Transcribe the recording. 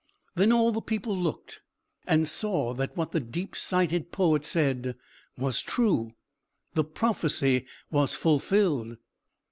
Then all the people looked, and saw that what the deep sighted poet said was true. The prophecy was fulfilled.